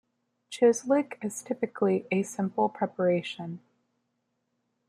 Chislic is typically a simple preparation.